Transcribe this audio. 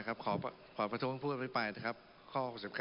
ขอพอถ้องผู้อภิภัยครับข้อ๖๙